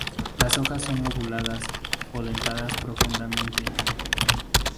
Las hojas son lobuladas o dentadas profundamente.